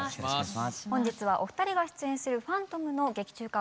本日はお二人が出演する「ファントム」の劇中歌を歌って頂きます。